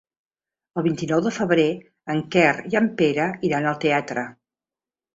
El vint-i-nou de febrer en Quer i en Pere iran al teatre.